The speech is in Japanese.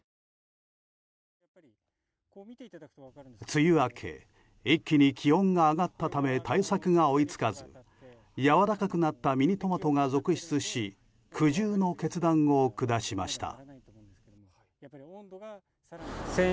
梅雨明け一気に気温が上がったため対策が追い付かずやわらかくなったミニトマトが続出し苦渋の決断を下しました。